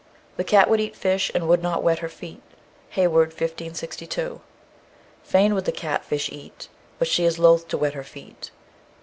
The cat would eat fish, and would not wet her feet. HEYWOOD, 1562. "Fain would the cat fish eat, But she is loth to wet her feet."